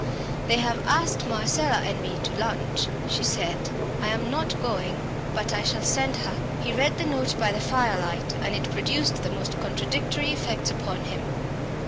"They have asked Marcella and me to lunch," she said. "I am not going, but I shall send her." He read the note by the firelight, and it produced the most contradictory effects upon him.